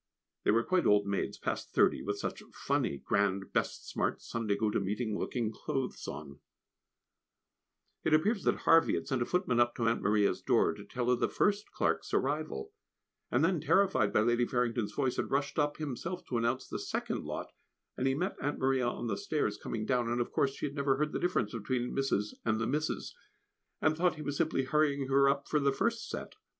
They were quite old maids, past thirty, with such funny, grand, best smart Sunday go to meeting looking clothes on. [Sidenote: An Afternoon Call] It appears that Harvey had sent a footman up to Aunt Maria's door, to tell of the first Clarkes' arrival, and then, terrified by Lady Farrington's voice, had rushed up himself to announce the second lot, and he met Aunt Maria on the stairs coming down, and of course she never heard the difference between "Mrs." and the "Misses," and thought he was simply hurrying her up for the first set.